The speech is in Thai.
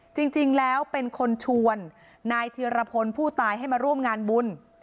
จริงแล้วเป็นคนชวนนายธิรพลผู้ตายให้มาร่วมงานบุญ